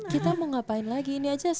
kita mau ngapain lagi ini aja